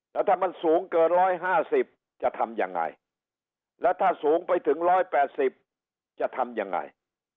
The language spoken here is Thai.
แล้วถ้ามันสูงเกิน๑๕๐จะทำยังไงแล้วถ้าสูงไปถึง๑๘๐จะทำยังไง